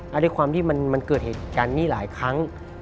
และด้วยความที่มันเกิดเหตุการณ์นี้หลายครั้ง